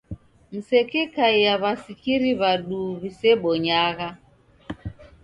Msekekaia w'asikiri w'aduu w'isebonyagha.